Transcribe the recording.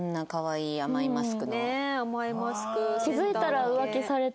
ねえ甘いマスク。